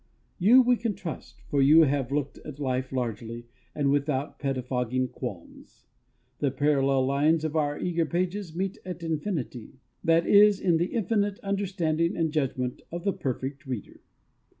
You we can trust, for you have looked at life largely and without pettifogging qualms. The parallel lines of our eager pages meet at Infinity that is, in the infinite understanding and judgment of the Perfect Reader.